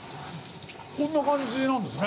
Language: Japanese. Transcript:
こんな感じなんですね。